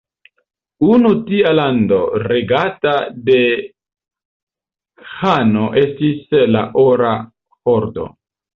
Unu tia lando regata de ĥano estis la Ora Hordo.